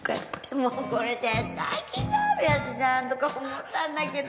もうこれ絶対気があるやつじゃんとか思ったんだけど